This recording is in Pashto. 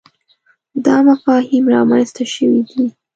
دا مفاهیم رامنځته شوي دي.